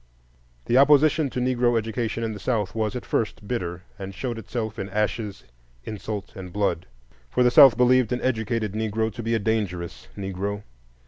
The opposition to Negro education in the South was at first bitter, and showed itself in ashes, insult, and blood; for the South believed an educated Negro to be a dangerous Negro.